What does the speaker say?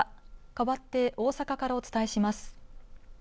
かわって大阪からお伝えします。